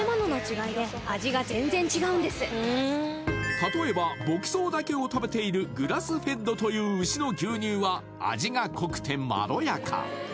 例えば牧草だけを食べているグラスフェッドという牛の牛乳は味が濃くてまろやか。